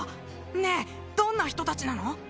ねえどんな人達なの？